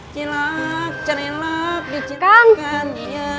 cilok cilok dicilokkan ya